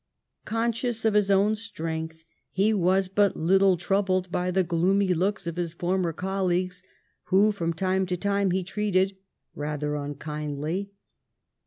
Conscious of his own strength, he was but little troubled by the gloomy looks of his former col* leagues, whom from time to time he treated rather un kindly.